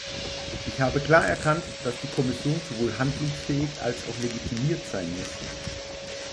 Ich habe klar erkannt, dass die Kommission sowohl handlungsfähig als auch legitimiert sein muss.